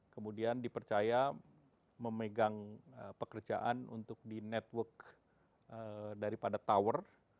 kemudian dipercaya memegang pekerjaan untuk di network daripada tower